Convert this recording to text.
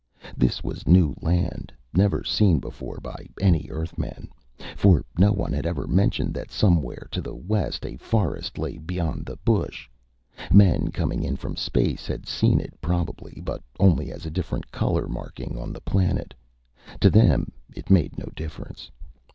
This was new land, never seen before by any Earthman. For no one had ever mentioned that somewhere to the west a forest lay beyond the bush. Men coming in from space had seen it, probably, but only as a different color marking on the planet. To them, it made no difference.